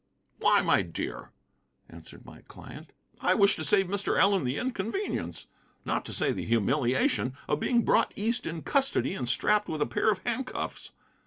"Why, my dear," answered my client, "I wish to save Mr. Allen the inconvenience, not to say the humiliation, of being brought East in custody and strapped with a pair of handcuffs.